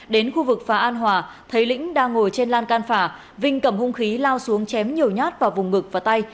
đến khu vực phà an hòa thấy lĩnh đang ngồi trên lan can phà vinh cầm hung khí lao xuống chém nhiều nhát vào vùng ngực và tay